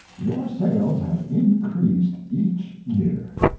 Your sales have increased each year.